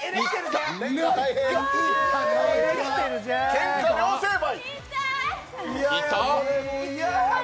けんか両成敗！